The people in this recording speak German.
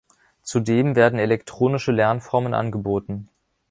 Zudem werden elektronische Lernformen angeboten.